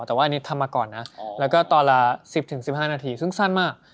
แต่ว่าอันนี้ทำมาก่อนนะแล้วก็ตอนละ๑๐๑๕นาทีซึ่งสั้นมาก